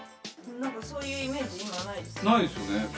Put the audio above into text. なんかそういうイメージ、ないですよね。